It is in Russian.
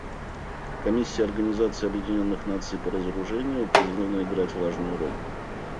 Комиссия Организации Объединенных Наций по разоружению призвана играть важную роль.